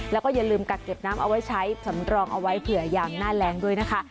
แล้วก็อย่าลืมกักเก็บน้ำเอาไว้ใช้สำรองเอาไว้เผื่อยางหน้าแรงด้วยนะคะ